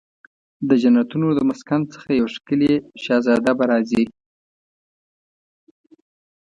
د جنتونو د مسکن څخه یو ښکلې شهزاده به راځي